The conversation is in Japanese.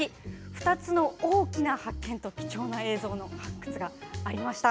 ２つの大きな発見と貴重な映像が発掘されました。